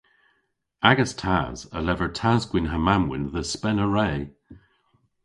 Agas tas a lever tas-gwynn ha mamm-wynn dhe spena re.